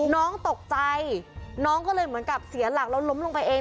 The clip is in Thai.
น้องตกใจน้องก็เลยเหมือนกับเสียหลักแล้วล้มลงไปเอง